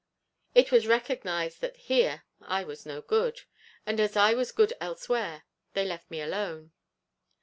It was recognised that, here, I was no good; and as I was good elsewhere, they left me alone.